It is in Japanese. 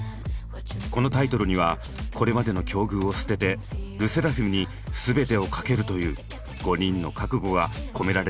このタイトルにはこれまでの境遇を捨ててＬＥＳＳＥＲＡＦＩＭに全てをかけるという５人の覚悟が込められている。